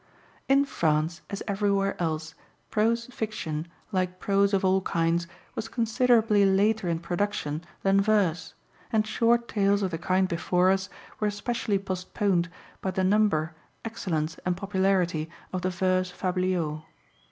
In France, as everywhere else, prose fiction, like prose of all kinds, was considerably later in production than verse, and short tales of the kind before us were especially postponed by the number, excellence, and popularity of the verse fabliaux.